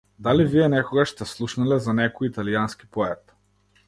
Дали вие некогаш сте слушнале за некој италијански поет?